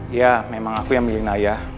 iya memang aku yang milih naya